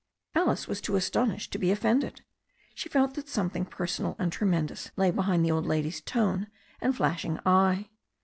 Alice was too astonished to be offended. She felt that something personal and tremendous lay behind the old lady's tone and flashing eye.